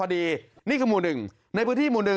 นี่คือหมู่๑ในพื้นที่หมู่๑